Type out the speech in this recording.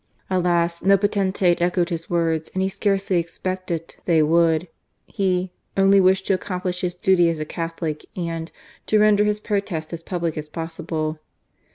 Alas! no potentate echoed his words; and he scarcely expected they would. He "only wished to accom plish his duty as a Catholic," and "to render his protest as public as possible."